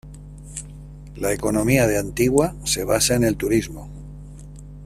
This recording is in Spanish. La economía de Antigua se basa en el turismo.